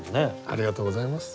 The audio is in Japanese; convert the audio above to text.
ありがとうございます。